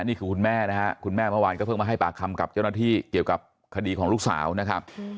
คุณแม่นะฮะคุณแม่เมื่อวานก็เพิ่งมาให้ปากคำกับเจ้าหน้าที่เกี่ยวกับคดีของลูกสาวนะครับ